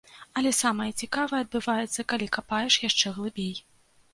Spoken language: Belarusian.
Але самае цікавае адбываецца калі капаеш яшчэ глыбей.